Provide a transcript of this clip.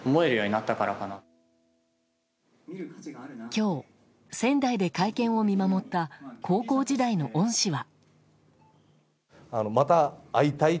今日、仙台で会見を見守った高校時代の恩師は。